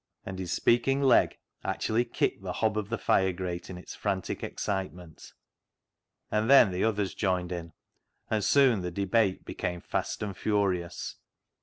And his speaking leg actually kicked the hob of the fire grate in its frantic excite ment. And then the others joined in, and soon the debate become fast and furious.